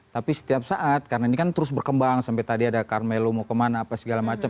tapi setiap saat karena ini kan terus berkembang sampai tadi ada carmelo mau kemana apa segala macam